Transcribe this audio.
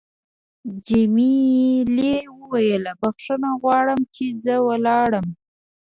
جميلې وويل: بخښنه غواړم چې زه لاړم.